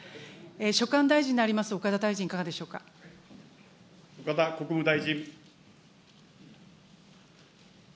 所管大臣であります岡田大臣、岡田国務大臣。